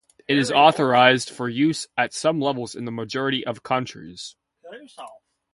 It is authorized for use at some level in the majority of countries.